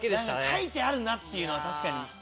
書いてあるなっていうのは確かに。